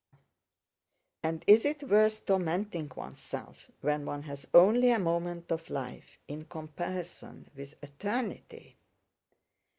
And is it worth tormenting oneself, when one has only a moment of life in comparison with eternity?"